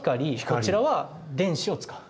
こちらは電子を使う。